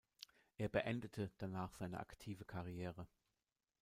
Er beendete danach seine aktive Karriere.